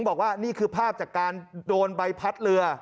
บอกว่านี่คือภาพจากการโดนใบพัดเรือ